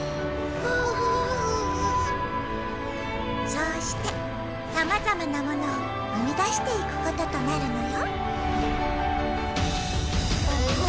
そうしてさまざまなものを生み出していくこととなるのよ。